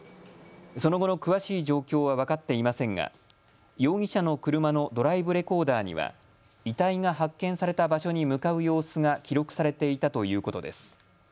その後の詳しい状況は分かっていませんが容疑者の車のドライブレコーダーには遺体が発見された場所に向かう様子が記録されていたということです。